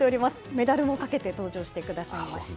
メダルもかけて登場してくださいました。